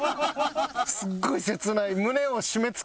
すっごいせつない。